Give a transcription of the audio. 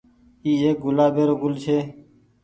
اي ايڪ گلآبي رو گل ڇي۔